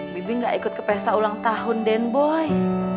bibi gak ikut ke pesta ulang tahun den boy